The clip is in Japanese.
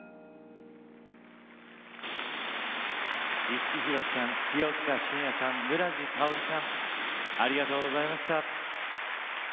五木ひろしさん清塚信也さん、村治佳織さんありがとうございました。